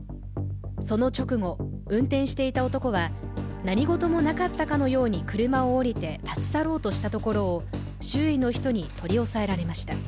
その直後、運転していた男は何事もなかったかのように車を降りて立ち去ろうとしたところを周囲の人に取り押さえられました。